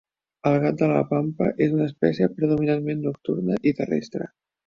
El gat de la pampa és una espècie predominantment nocturna i terrestre.